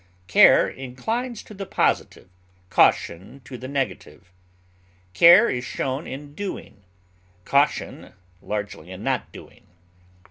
Care inclines to the positive, caution to the negative; care is shown in doing, caution largely in not doing.